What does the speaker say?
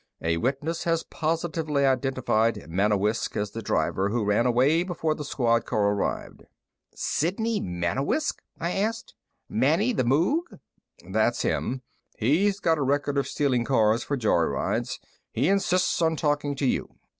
A witness has positively identified Manewiscz as the driver who ran away before the squad car arrived." "Sidney Manewiscz?" I asked. "Manny the Moog?" "That's the one. He's got a record of stealing cars for joyrides. He insists on talking to you."